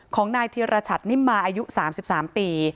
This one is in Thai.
ของนายธีรชัตนิมมาอายุ๓๓ปี